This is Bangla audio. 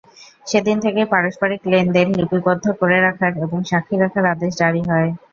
সেদিন থেকেই পারস্পরিক লেন-দেন লিপিবন্ধ করে রাখার এবং সাক্ষী রাখার আদেশ জারি হয়।